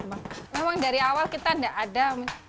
memang dari awal kita tidak ada